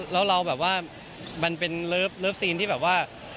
แล้วเราแบบว่ามันเป็นเลิฟซีนที่แบบว่า